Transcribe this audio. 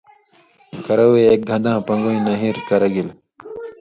کرؤے اېک گھداں پنگُویں نہِرہۡ کرہ گِلیۡ۔